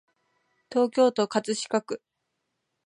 東京都葛飾区